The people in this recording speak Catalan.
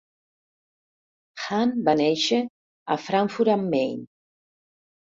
Hahn va néixer a Frankfurt am Main.